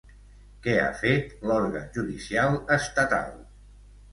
Què ha fet l'òrgan judicial estatal?